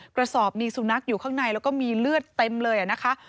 กระสอบมีสุนัขอยู่ข้างในแล้วก็มีเลือดเต็มเลยนะคะ